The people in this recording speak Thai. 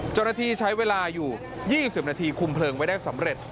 เจ้าหน้าที่ใช้เวลาอยู่๒๐นาทีคุมเพลิงไว้ได้สำเร็จ